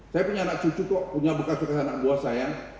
saya punya anak cucu kok punya bekas bekas anak buah saya